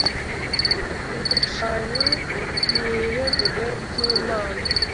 ibishushanyo mwiremeye by imana